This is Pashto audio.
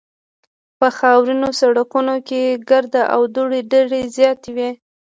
په خاورینو سړکونو کې ګرد او دوړې ډېرې زیاتې وې